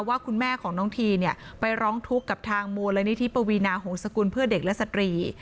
ว่าคุณแม่ของน้องทีเนี่ยไปร้องทุกข์กับทางมูลนิธิปวีนาหงษกุลเพื่อเด็กและสตรี